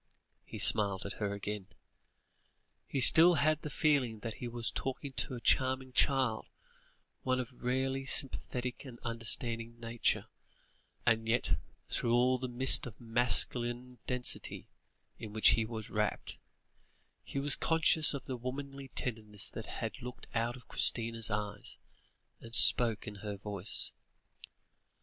He smiled at her again. He still had the feeling that he was talking to a charming child, one of rarely sympathetic and understanding nature; and yet, through all the mist of masculine density in which he was wrapped, he was conscious of the womanly tenderness that had looked out of Christina's eyes, and spoken in her voice.